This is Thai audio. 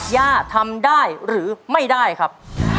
ย่าทำได้หรือไม่ได้ครับ